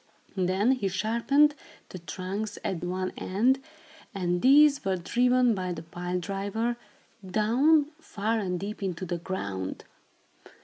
Then he sharpened the trunks at one end, and these were driven, by the pile driver, down, far and deep, into the ground.